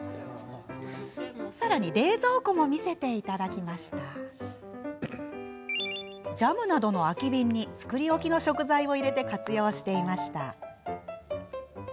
さらに、冷蔵庫も見せてもらうとジャムなどの空き瓶に作り置きの食材を入れて活用していました。